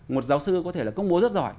một giáo sư có thể là công bố rất giỏi